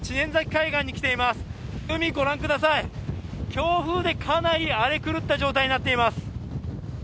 海、ご覧ください、強風でかなり荒れ狂った状態になっています。